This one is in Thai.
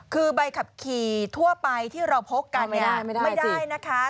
คือใบขับขี่ทั่วไปที่เราพกกันเนี่ยไม่ได้นะคะ